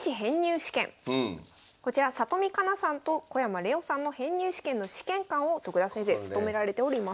こちら里見香奈さんと小山怜央さんの編入試験の試験官を徳田先生務められております。